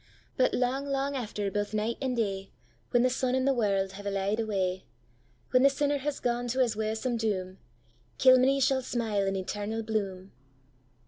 But lang, lang after baith night and day, When the sun and the world have elyed away; When the sinner has gane to his waesome doom, Kilmeny shall smile in eternal bloom!